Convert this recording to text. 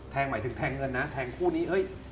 แทงหมายถึงแทงเงินนะแทงคู่นี้